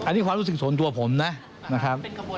นี้ความรู้สึกส่วนตัวผมนะฮะ